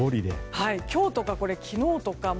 今日とか昨日とか０。